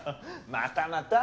またまた。